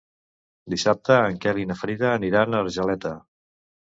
Dissabte en Quel i na Frida aniran a Argeleta.